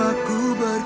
aku akan pergi